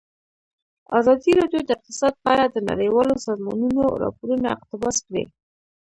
ازادي راډیو د اقتصاد په اړه د نړیوالو سازمانونو راپورونه اقتباس کړي.